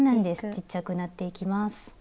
ちっちゃくなっていきます。